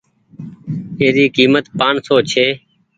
اي ري ڪيمت پآنچ سون ڇي۔